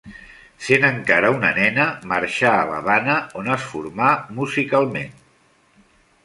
Sent encara una nena marxà a l'Havana, on es formà musicalment.